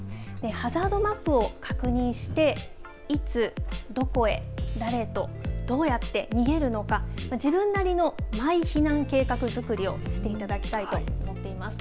ハザードマップを確認して、いつ、どこへ、誰と、どうやって逃げるのか、自分なりのマイ避難計画作りをしていただきたいと思っています。